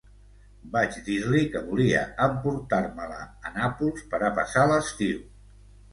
Vaig dir-li que volia emportar-me-la a Nàpols per a passar l'estiu.